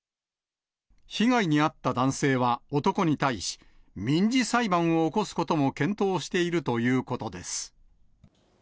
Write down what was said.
被害に遭った男性は男に対し、民事裁判を起こすことも検討しているということです。